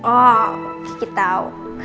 oh gigi tau